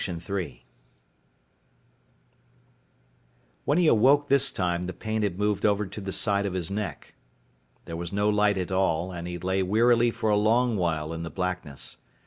When he awoke this time the pain had moved over to the side of his neck. There was no light at all and he lay wearily for a long while in the blackness.